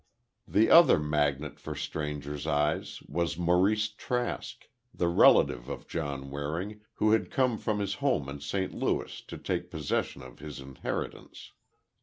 The other magnet for strangers' eyes was Maurice Trask, the relative of John Waring, who had come from his home in St. Louis, to take possession of his inheritance.